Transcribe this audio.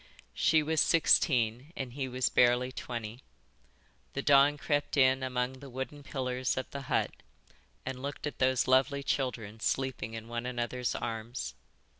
She was sixteen and he was barely twenty. The dawn crept in among the wooden pillars of the hut and looked at those lovely children sleeping in one another's arms.